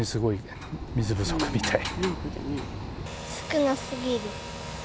少なすぎる。